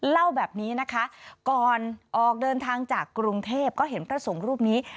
เล่าแบบนี้นะคะก่อนออกเดินทางจากกรุงเทพก็เห็นพระสงฆ์รูปนี้